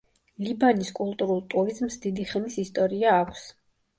ლიბანის კულტურულ ტურიზმს დიდი ხნის ისტორია აქვს.